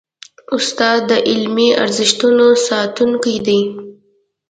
استاد د علمي ارزښتونو ساتونکی دی.